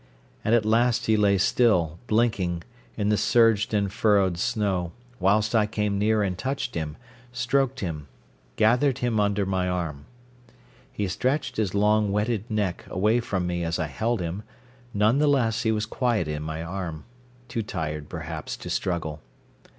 And at last he lay still, blinking, in the surged and furrowed snow, whilst I came near and touched him, stroked him, gathered him under my arm. He stretched his long, wetted neck away from me as I held him, none the less he was quiet in my arm, too tired, perhaps, to struggle.